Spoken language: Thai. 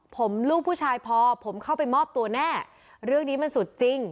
ผมลูกผู้ชายพอผมเข้าไปมอบตัวแน่เรื่องนี้มันสุดจริง